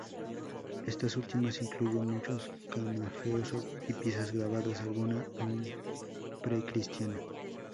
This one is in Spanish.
Estas últimas incluyen muchos camafeos y piezas grabadas, alguna aún pre-cristiana.